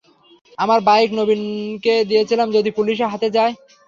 আমার বাইক নবীনকে দিয়েছিলাম, যদি পুলিশের হাতে যায়।